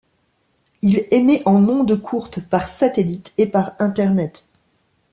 Il émet en ondes courtes, par satellite et par internet.